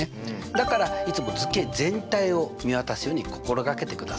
だからいつも図形全体を見渡すように心がけてください。